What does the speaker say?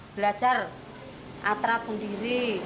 belajar atrat sendiri